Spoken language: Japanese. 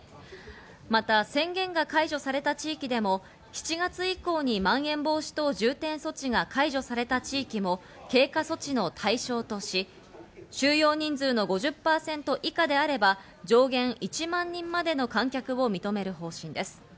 また宣言が解除された地域でも７月以降にまん延防止等重点措置が解除された地域も、経過措置の対象とし、収容人数の５０％以下であれば上限１万人までの観客を認める方針です。